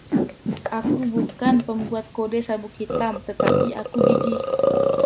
Aku bukan pembuat kode sabuk hitam tetapi aku gigih.